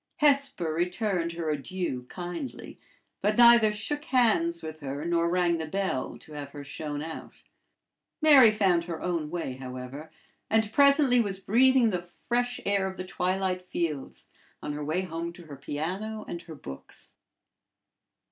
Hesper returned her adieu kindly, but neither shook hands with her nor rang the bell to have her shown out Mary found her own way, however, and presently was breathing the fresh air of the twilight fields on her way home to her piano and her books.